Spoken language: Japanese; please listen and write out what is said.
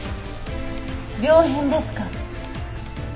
病変ですか。